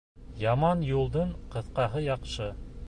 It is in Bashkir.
Яман юлдың ҡыҫҡаһы яҡшы.